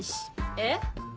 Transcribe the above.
えっ？